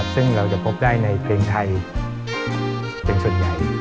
ซึ่งเราจะพบได้ในเพลงไทยเป็นส่วนใหญ่